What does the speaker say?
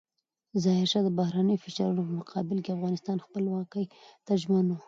ظاهرشاه د بهرنیو فشارونو په مقابل کې د افغانستان خپلواکۍ ته ژمن و.